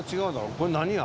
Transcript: これ何屋？